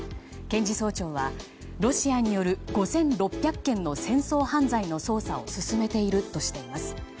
検事総長はロシアによる５６００件の戦争犯罪の捜査を進めているとしています。